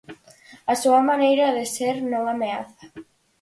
A súa maneira de ser non ameaza.